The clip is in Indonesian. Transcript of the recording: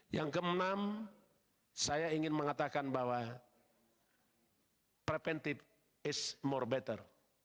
yang keenam saya ingin mengatakan bahwa preventif is more better